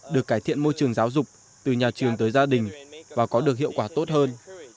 được cải thiện môi trường giáo dục từ nhà trường tới gia đình và có được hiệu quả tốt hơn